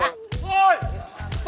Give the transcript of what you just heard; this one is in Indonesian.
ada di situ